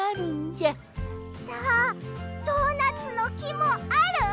じゃあドーナツのきもある？